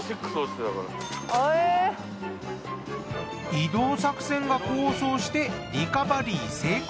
移動作戦が功を奏してリカバリー成功！